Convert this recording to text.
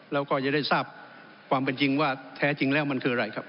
แล้วก็จะได้ทราบความเป็นจริงว่าแท้จริงแล้วมันคืออะไรครับ